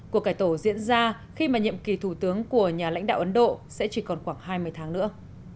cuộc cải tổ diễn ra khi mà nhiệm kỳ thủ tướng của nhà lãnh đạo ấn độ sẽ chỉ còn khoảng hai mươi tháng nữa